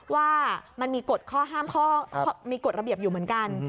ว่ามันมีกฎข้อห้ามข้อมีกฎระเบียบอยู่เหมือนกัน